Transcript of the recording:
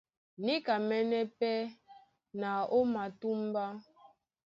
Níkamɛ́nɛ́ pɛ́ na ó matúmbá.